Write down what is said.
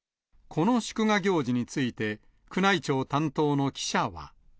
この祝賀行事について、宮内庁担当の記者は。